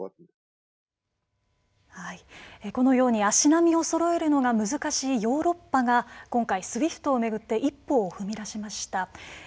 足並みをそろえるのが難しいヨーロッパが今回、ＳＷＩＦＴをめぐって一歩を踏み出しました。